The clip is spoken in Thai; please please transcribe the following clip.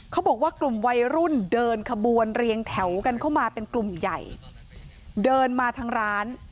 เขาบอกว่ากลุ่มวัยรุ่นเดินขบวนเรียงแถวกันเข้ามาเป็นกลุ่มใหญ่เดินมาทางร้าน